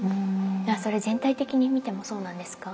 それは全体的に見てもそうなんですか？